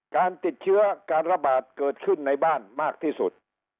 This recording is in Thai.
การติดเชื้อการระบาดเกิดขึ้นในบ้านมากที่สุด